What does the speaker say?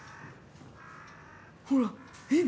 ほらえっ